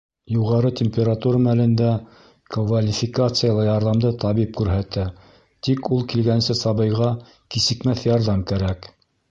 Юғары температура мәлендә квалификациялы ярҙамды табип күрһәтә, тик ул килгәнсе сабыйға кисекмәҫ ярҙам кәрәк.